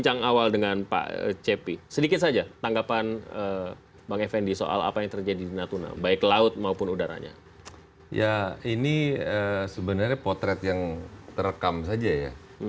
ya ini sebenarnya potret yang terekam saja ya